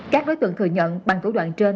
các đối tượng thừa nhận bằng thủ đoạn trên